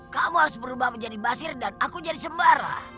kamu harus berubah menjadi basir dan aku jadi sembara